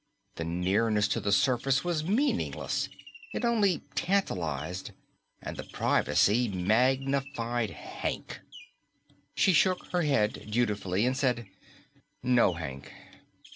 The nearness to the surface was meaningless; it only tantalized. And the privacy magnified Hank._ She shook her head dutifully and said, "No, Hank."